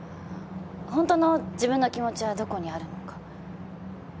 ホントの自分の気持ちはどこにあるのか。